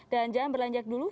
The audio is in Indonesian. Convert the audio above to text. dan jangan berlanjak dulu